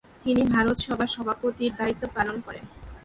তিনি ভারত সভার সভাপতির দায়িত্ব পালন করেন।